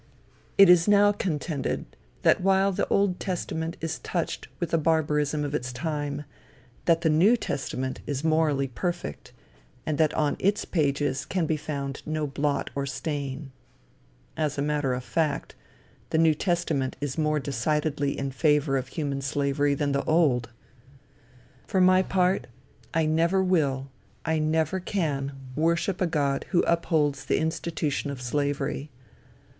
It is now contended that while the Old Testament is touched with the barbarism of its time, that the New Testament is morally perfect, and that on its pages can be found no blot or stain. As a matter of fact, the New Testament is more decidedly in favor of human slavery than the old. For my part, I never will, I never can, worship a God who upholds the institution of slavery.